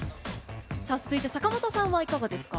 続いて坂本さんはいかがですか？